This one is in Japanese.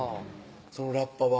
そのラッパは？